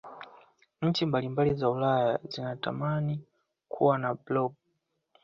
nchi mbalimbali za ulaya zinatamani Kuwa na blob